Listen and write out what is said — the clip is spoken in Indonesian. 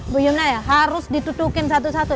bu yuna ya harus ditutupin satu satu